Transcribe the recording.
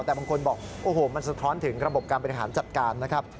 แต่บางคนบอกโอ้โหมันสะท้อนถึงระบบการบริหารจัดการนะครับ